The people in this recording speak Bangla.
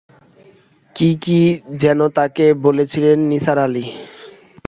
কি কি যেন তাকে বলেছিলেন নিসার আলি।